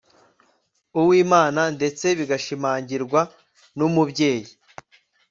uwimana ndetse bigashimangirwa n umubyeyi